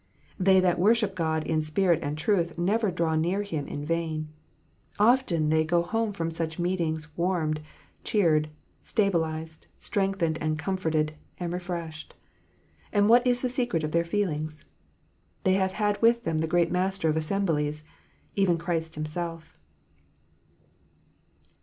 They that worship God in spirit and truth never draw near to Him in vain. Often they go home from such meetings warmed, cheered, stablished, strengthened, comforted, and refreshed. And what is the secret of their feelings ? They have had with them the great Master of assemblies, even Christ Himself.